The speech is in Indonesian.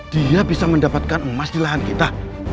dia bisa mendapatkan emas di lahan kita